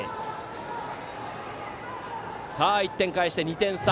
１点返して、２点差。